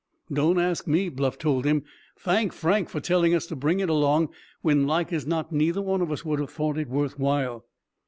"Don't ask me," Bluff told him; "thank Frank for telling us to bring it along, when like as not neither of us would have thought it worth while."